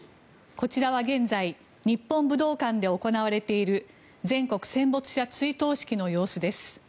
こちらは現在、日本武道館で行われている全国戦没者追悼式の様子です。